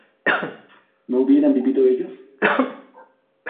¿no hubieran vivido ellos?